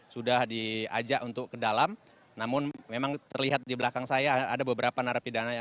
sudah diajak untuk ke dalam namun memang terlihat di belakang saya ada beberapa narapidana